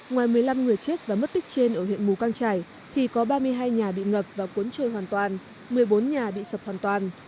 ngoài một mươi năm người chết và mất tích trên ở huyện mù căng trải thì có ba mươi hai nhà bị ngập và cuốn trôi hoàn toàn một mươi bốn nhà bị sập hoàn toàn